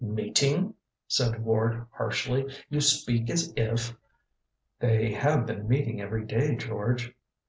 "Meeting?" said Ward harshly. "You speak as if " "They have been meeting every day, George."